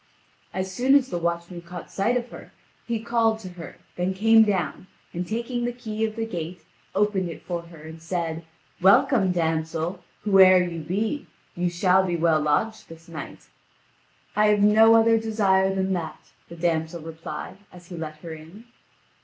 As soon as the watchman caught sight of her, he called to her, then came down, and taking the key of the gate, opened it for her and said: "Welcome, damsel, whoe'er you be. You shall be well lodged this night." "I have no other desire than that," the damsel replied, as he let her in.